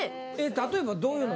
例えばどういうの？